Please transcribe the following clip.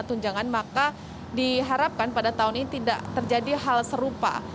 tunjangan maka diharapkan pada tahun ini tidak terjadi hal serupa